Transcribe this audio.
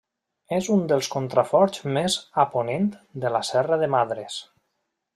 És un dels contraforts més a ponent de la Serra de Madres.